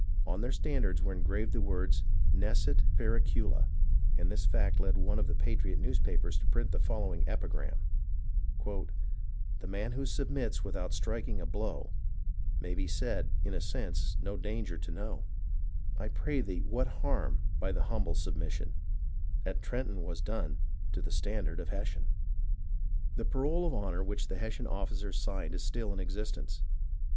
On their standards were engraved the words Nescit Pcricula, and this fact led one of the patriot newspapers to print the following epigram :—" The man who submits without striking a blow May be said, in a sense, no danger to know ; I pray thee, what harm, by the humble submission At Trenton was done to the standard of Hessian?" TRENTON AND PRINCETON 1 43 The parole of honour which the Hessian officers signed is still in existence.